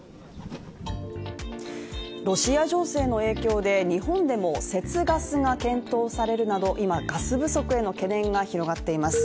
ロシア情勢の影響で日本でも、節ガスが検討されるなど、今、ガス不足への懸念が広がっています。